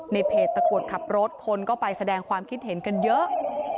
ในเพจตะกรวดขับรถคนก็ไปแสดงความคิดเห็นกันเยอะ